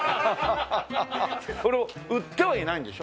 売ってはいないんでしょ？